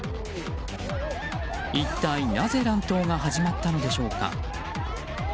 一体、なぜ乱闘が始まったのでしょうか。